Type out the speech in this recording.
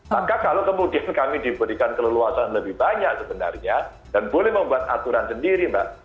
maka kalau kemudian kami diberikan keleluasan lebih banyak sebenarnya dan boleh membuat aturan sendiri mbak